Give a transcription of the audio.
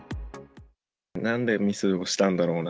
なんでミスをしたんだろうな。